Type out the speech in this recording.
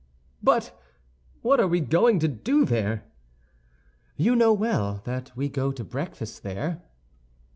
"But what are we going to do there?" "You know well that we go to breakfast there."